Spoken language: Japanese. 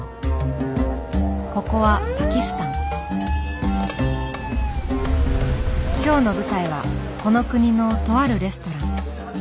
ここは今日の舞台はこの国のとあるレストラン。